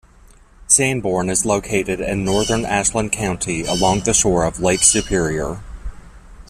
Sanborn is located in northern Ashland County, along the shore of Lake Superior.